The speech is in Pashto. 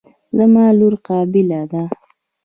زما لور قابله ده.